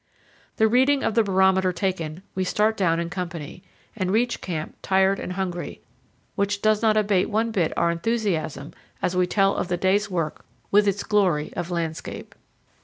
The reading of the barometer taken, we start down in company, and reach camp tired and hungry, which does not abate one bit our enthusiasm as we tell of the day's work with its glory of landscape.